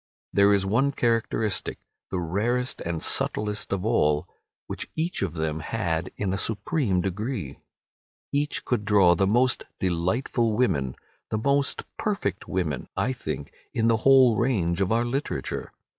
There is one characteristic, the rarest and subtlest of all, which each of them had in a supreme degree. Each could draw the most delightful women—the most perfect women, I think, in the whole range of our literature.